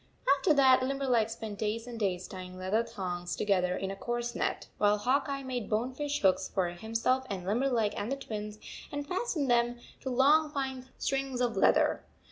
After that Limberleg spent days and days tying leather thongs together in a coarse net, while Hawk Eye made bone fish hooks for himself and Limberleg and the Twins, and fastened them to long fine strings of leather.